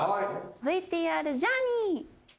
ＶＴＲジャーニー。